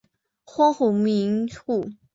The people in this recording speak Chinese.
荒或无民户。